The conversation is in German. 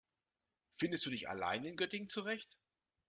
Findest du dich allein in Göttingen zurecht?